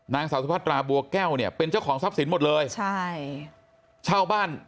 นางสาวสุพัตราบัวแก้วเนี่ยเป็นเจ้าของทรัพย์สินหมดเลยใช่เช่าบ้าน